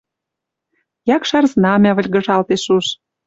Якшар знамя выльгыжалтеш уж.